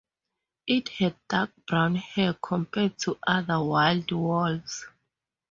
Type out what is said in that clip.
It had dark brown hair compared to other wild wolves.